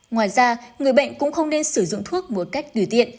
ngoài ra người bệnh cũng không nên sử dụng thuốc một cách tùy tiện